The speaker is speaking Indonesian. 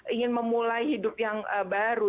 ingin memulai hidup yang baru